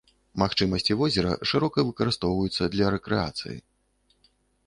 Магчымасці возера шырока выкарыстоўваюцца для рэкрэацыі.